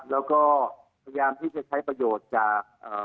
แล้วก็พยายามที่จะใช้ประโยชน์จาก